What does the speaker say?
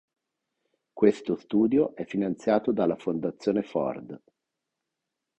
Questo studio è finanziato dalla Fondazione Ford.